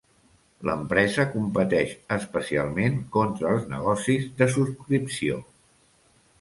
L'empresa competeix especialment contra els negocis de subscripció.